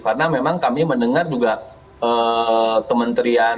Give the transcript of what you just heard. karena memang kami mendengar juga kementerian